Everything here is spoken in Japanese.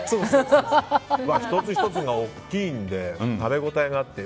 １つ１つが大きいので食べ応えがあって。